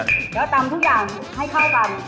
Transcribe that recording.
แล้วตำทุกอย่างให้เข้ากัน